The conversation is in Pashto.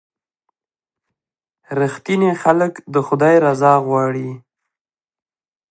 • رښتیني خلک د خدای رضا غواړي.